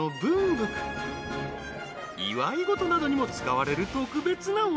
［祝い事などにも使われる特別なお店］